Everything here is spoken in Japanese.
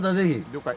了解。